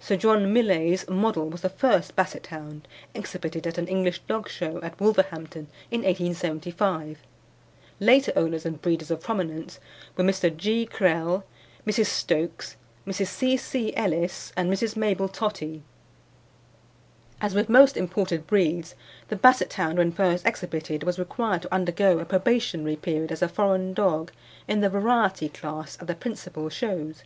Sir John Millais' Model was the first Basset hound exhibited at an English dog show, at Wolverhampton in 1875. Later owners and breeders of prominence were Mr. G. Krehl, Mrs. Stokes, Mrs. C. C. Ellis and Mrs. Mabel Tottie. As with most imported breeds, the Basset hound when first exhibited was required to undergo a probationary period as a foreign dog in the variety class at the principal shows.